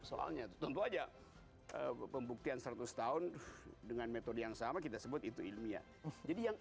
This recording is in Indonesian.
soalnya tentu aja pembuktian seratus tahun dengan metode yang sama kita sebut itu ilmiah jadi yang